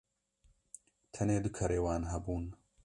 tenê du kerên wan hebûn